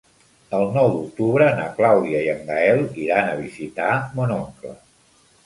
El nou d'octubre na Clàudia i en Gaël iran a visitar mon oncle.